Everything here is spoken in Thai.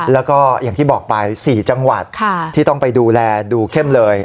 แล้วก็อย่างที่บอกไป๔จังหวัดที่ต้องไปดูแลดูเข้มเลย